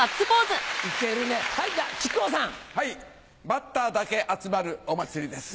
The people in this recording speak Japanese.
バッターだけ集まるお祭りです。